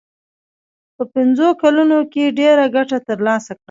په پنځو کلونو کې ډېره ګټه ترلاسه کړه.